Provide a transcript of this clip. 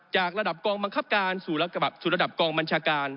จากระดับกองบังคับการสู่ระดับกองบัญชาการ